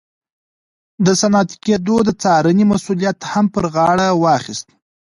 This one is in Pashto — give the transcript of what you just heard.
د صنعتي کېدو د څارنې مسوولیت هم پر غاړه واخیست.